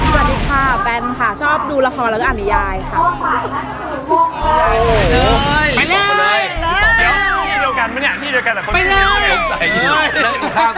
สวัสดีค่ะแปลนค่ะ